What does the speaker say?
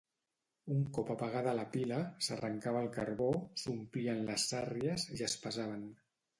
Un cop apagada la pila, s'arrencava el carbó, s'omplien les sàrries i es pesaven.